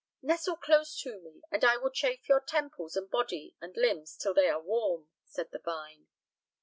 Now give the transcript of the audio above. "Nestle close to me, and I will chafe your temples and body and limbs till they are warm," said the vine.